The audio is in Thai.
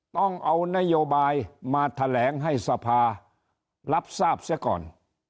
ต้องเอานโยบายมาแถลงให้สภารับทราบเสียก่อน